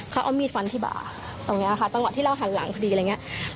เขาเอามีดฟันที่บ่าตรงนี้ค่ะจังหวะที่เราหันหลังพอดีอะไรอย่างนี้